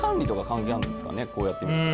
こうやって見ると。